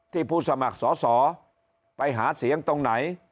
ผู้สมัครสอสอไปหาเสียงตรงไหน